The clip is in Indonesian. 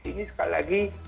ini sekali lagi